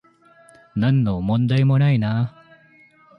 なんの問題もないな